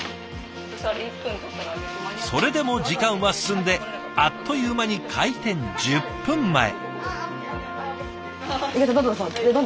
それでも時間は進んであっという間に開店１０分前。